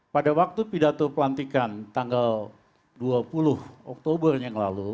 pada waktu pidato pelantikan tanggal dua puluh oktober yang lalu